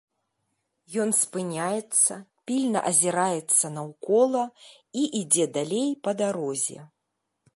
Ён спыняецца, пільна азіраецца наўкола і ідзе далей па дарозе.